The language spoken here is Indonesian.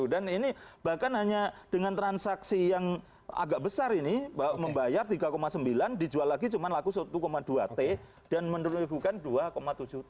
dan ini bahkan hanya dengan transaksi yang agak besar ini membayar tiga sembilan dijual lagi cuma laku satu dua t dan meneribukan dua tujuh t